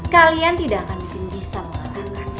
kalian tidak akan bisa mengalahkan